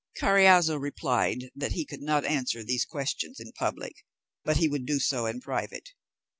Carriazo replied, that he could not answer these questions in public, but he would do so in private.